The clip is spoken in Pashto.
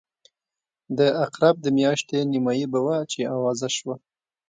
د عقرب د میاشتې نیمایي به وه چې آوازه شوه.